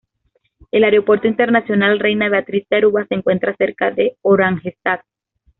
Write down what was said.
El Aeropuerto Internacional Reina Beatriz de Aruba se encuentra cerca de Oranjestad.